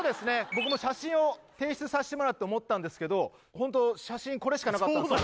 僕も写真を提出させてもらって思ったんですけどホント写真これしかなかったんですよ